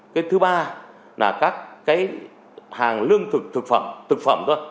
cái thứ ba là các hàng lương thực thực phẩm